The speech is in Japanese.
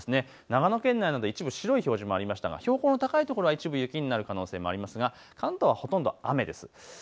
長野県内など一部白い表示もありましたが標高の高い所は一部雪になる可能性もありますが関東はほとんど雨です。